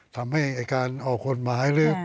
ทำให้การออกกฎหมาย